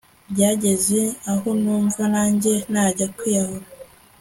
byageze aho numva nanjye najya kwiyahura